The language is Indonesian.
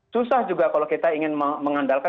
susah juga kalau kita ingin mengandalkan